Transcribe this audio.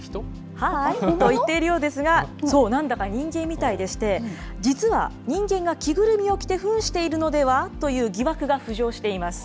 はーいと言っているようですが、そう、なんだか人間みたいでして、実は人間が着ぐるみを着てふんしているのでは？という疑惑が浮上しています。